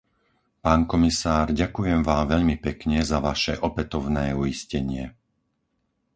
Pán komisár, ďakujem Vám veľmi pekne za vaše opätovné uistenie.